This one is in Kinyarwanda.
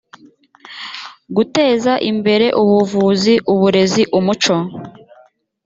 guteza imbere ubuvuzi uburezi umuco